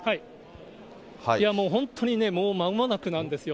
いやもう、本当にね、もう間もなくなんですよ。